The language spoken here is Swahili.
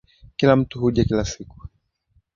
Kila mtu huja kila siku.